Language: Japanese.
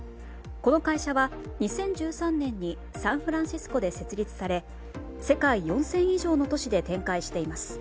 この会社は、２０１３年にサンフランシスコで設立され世界４０００以上の都市で展開しています。